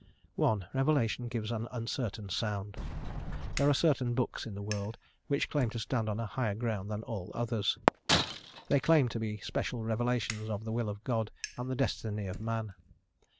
I. Revelation gives an uncertain sound. There are certain books in the world which claim to stand on a higher ground than all others. They claim to be special revelations of the will of God and the destiny of man.